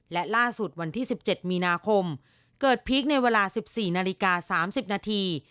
และล่าสุดวันที่๑๗มีนาคมเกิดพีคในเวลา๑๔นาฬิกา๓๐นาที